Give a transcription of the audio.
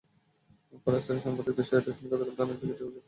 পরে স্থানীয় সাংবাদিকদের সহায়তায় তিনি গতকাল থানায় লিখিত অভিযোগ দিতে সক্ষম হন।